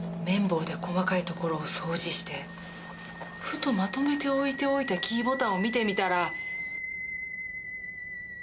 綿棒で細かい所を掃除してふとまとめて置いておいたキーボタンを見てみたら。